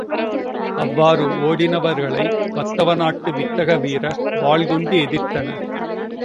அவ்வாறு ஒடினவர்களை வத்தவநாட்டு வித்தக வீரர், வாள் கொண்டு எதிர்த்தனர்.